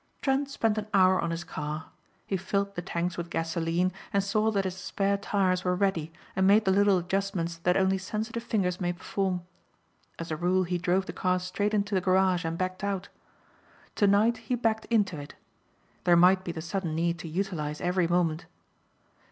Trent spent an hour on his car. He filled the tanks with gasoline and saw that his spare tires were ready and made the little adjustments that only sensitive fingers may perform. As a rule he drove the car straight into the garage and backed out. Tonight he backed into it. There might be the sudden need to utilize every moment.